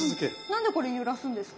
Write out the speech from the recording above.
何でこれ揺らすんですか？